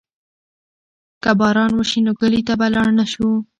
که باران وشي نو کلي ته به لاړ نه شو.